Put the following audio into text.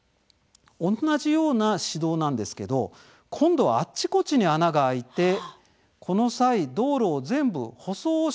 おんなじような私道なんですけど今度はあっちこちに穴が開いてこの際道路を全部舗装をし直そうと考えました。